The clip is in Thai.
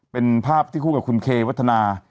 เป็นภาพที่คู่กับคุณเควัฒนา